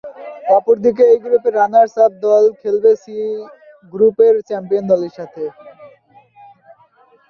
অপর দিকে এই গ্রুপের রানার্স-আপ দল খেলবে সি গ্রুপের চ্যাম্পিয়ন দলের সাথে।